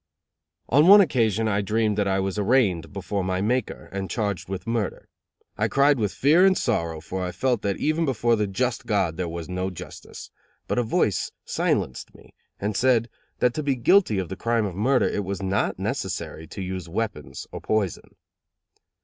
On one occasion I dreamed that I was arraigned before my Maker and charged with murder. I cried with fear and sorrow, for I felt that even before the just God there was no justice; but a voice silenced me and said that to be guilty of the crime of murder, it was not necessary to use weapons or poison.